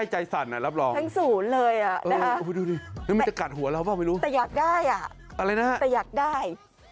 หัวเราเปล่าไม่รู้แต่อยากได้อ่ะอะไรนะแต่อยากได้